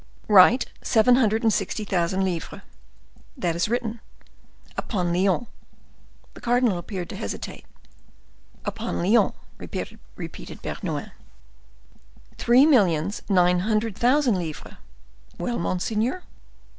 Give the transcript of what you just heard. "Write seven hundred and sixty thousand livres." "That is written." "Upon Lyons—" The cardinal appeared to hesitate. "Upon Lyons," repeated Bernouin. "Three millions nine hundred thousand livres." "Well, monseigneur?"